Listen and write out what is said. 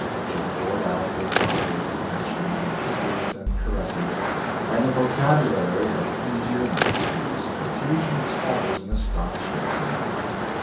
She poured out her prodigal affections in kisses and caresses, and in a vocabulary of endearments whose profusion was always an astonishment to me.